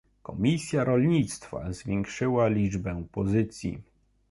Komisja Rolnictwa zwiększyła liczbę pozycji